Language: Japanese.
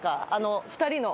２人の。